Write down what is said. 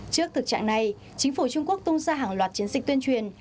trước thực trạng này chính phủ trung quốc tung ra hàng loạt chiến dịch tuyên truyền